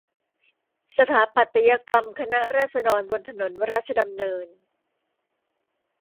สถาปัตยกรรมคณะราษฎรบนถนนราชดำเนิน